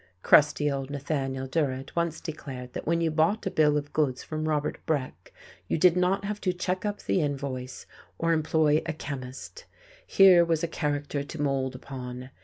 Crusty old Nathaniel Durrett once declared that when you bought a bill of goods from Robert Breck you did not have to check up the invoice or employ a chemist. Here was a character to mould upon.